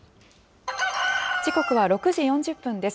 時刻は６時４０分です。